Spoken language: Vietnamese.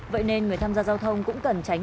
vậy nên người tham gia giao thông cũng cần tránh